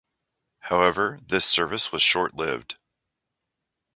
However, this service was short-lived.